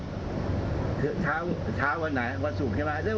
ข้างช้าวันไหนก็จะมาต้อง